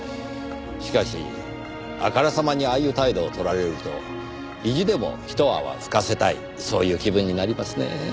しかしあからさまにああいう態度を取られると意地でも一泡吹かせたいそういう気分になりますねぇ。